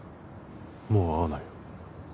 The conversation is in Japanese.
もう会わないよ